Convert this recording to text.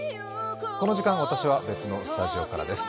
この時間、私は別のスタジオからです。